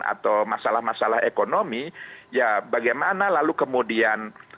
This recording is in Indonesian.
atau masalah masalah ekonomi ya bagaimana lalu kemudian